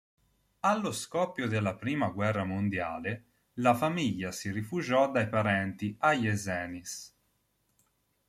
Allo scoppio della prima guerra mondiale, la famiglia si rifugiò dai parenti a Jesenice.